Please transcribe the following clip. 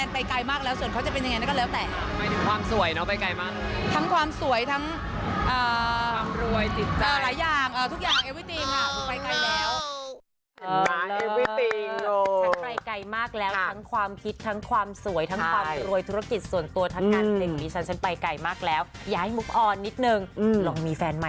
ไปฟังเสียงคุณต๊กกะแตนเลยค่ะ